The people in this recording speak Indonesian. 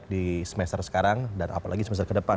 di semester sekarang dan apalagi semester ke depan